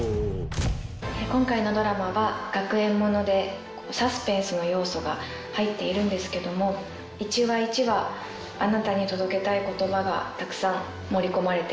今回のドラマは学園ものでサスペンスの要素が入っているんですけども一話一話あなたに届けたい言葉がたくさん盛り込まれています。